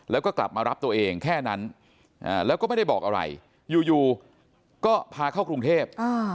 แล้วก็กลับมารับตัวเองแค่นั้นแล้วก็ไม่ได้บอกอะไรอยู่ก็พาเข้ากรุงเทพ